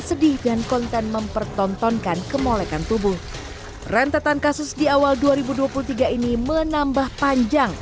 sedih dan konten mempertontonkan kemolekan tubuh rentetan kasus di awal dua ribu dua puluh tiga ini menambah panjang